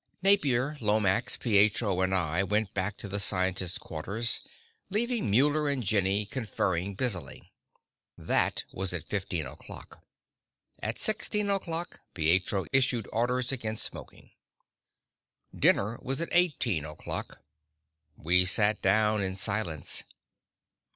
Napier, Lomax, Pietro and I went back to the scientists' quarters, leaving Muller and Jenny conferring busily. That was at fifteen o'clock. At sixteen o'clock, Pietro issued orders against smoking. Dinner was at eighteen o'clock. We sat down in silence.